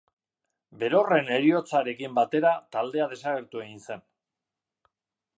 Berorren heriotzarekin batera taldea desagertu egin zen.